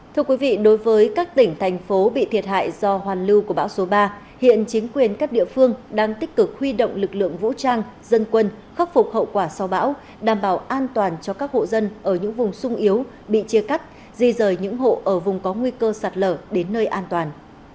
thưa quý vị đối với các tỉnh thành phố bị thiệt hại do hoàn lưu của bão số ba hiện chính quyền các địa phương đang tích cực huy động lực lượng vũ trang dân quân khắc phục hậu quả sau bão đảm bảo an toàn cho các hộ dân ở những vùng sung yếu bị chia cắt di rời những hộ ở vùng có nguy cơ sạt lở đến nơi an toàn